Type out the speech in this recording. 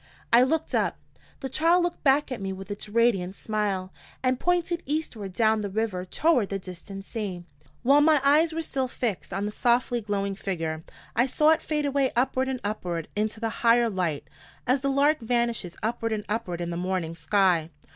I looked up. The child looked back at me with its radiant smile, and pointed eastward down the river toward the distant sea. While my eyes were still fixed on the softly glowing figure, I saw it fade away upward and upward into the higher light, as the lark vanishes upward and upward in the morning sky.